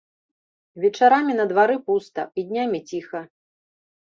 Вечарамі на двары пуста і днямі ціха.